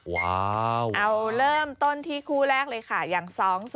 ว้าวเอาเริ่มต้นที่คู่แรกเลยค่ะอย่าง๒๒